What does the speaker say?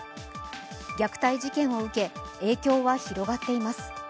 虐待事件を受け影響は広がっています。